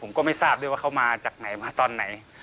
ผมก็ไม่ทราบด้วยว่าเขามาจากไหนมาตอนไหน